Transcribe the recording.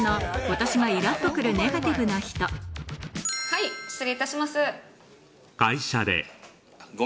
はい失礼いたします。